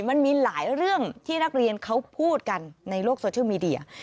มันมีหลายเรื่องที่นักเรียนเขาพูดกันในโลกโซเชียลมีเดีย